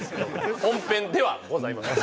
本編ではございません。